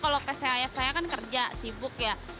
kalau ayah saya kan kerja sibuk ya